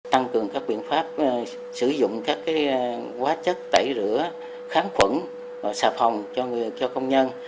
tăng cường các biện pháp sử dụng các quá chất tẩy rửa kháng phẫn sạp hồng cho công nhân